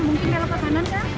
mungkin kalau ke kanan kan